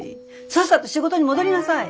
さっさと仕事に戻りなさい！